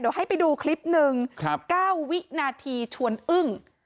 เดี๋ยวให้ไปดูคลิปหนึ่ง๙วินาทีชวนอึ้ง